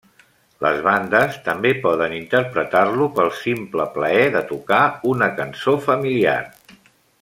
Les bandes també poden interpretar-lo pel simple plaer de tocar una cançó familiar.